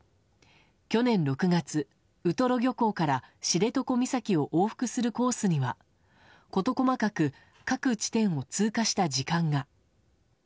去年６月、ウトロ漁港から知床岬を往復するコースにはこと細かく各地点を通過した時間が。